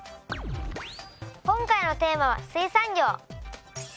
今回のテーマは「水産業」。